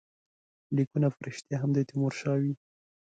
لیکونه په ریشتیا هم د تیمورشاه وي.